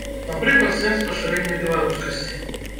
Напрыклад, сэнс пашырэння беларускасці.